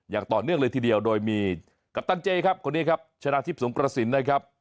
อย่างต่อเนื่องเลยทีเดียวโดยมีกัปตันเจครับคนนี้ครับชนะทิพย์สงกระสินนะครับ